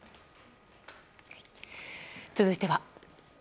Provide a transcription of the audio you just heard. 続いては。